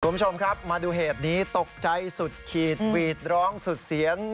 คุณผู้ชมครับมาดูเหตุนี้ตกใจสุดขีดหวีดร้องสุดเสียง